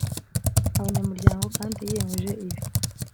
abanyamuryango kandi yiyemeje ibi